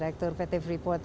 bpb luar biasa banget